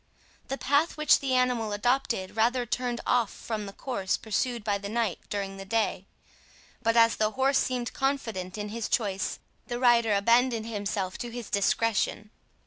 The path which the animal adopted rather turned off from the course pursued by the knight during the day; but as the horse seemed confident in his choice, the rider abandoned himself to his discretion.